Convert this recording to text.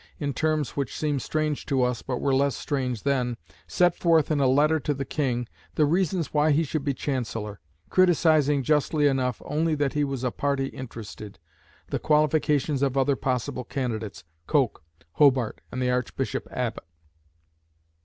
in terms which seem strange to us, but were less strange then, set forth in a letter to the King the reasons why he should be Chancellor; criticising justly enough, only that he was a party interested, the qualifications of other possible candidates, Coke, Hobart, and the Archbishop Abbott.